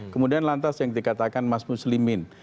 kemudian lantas yang dikatakan mas muslimin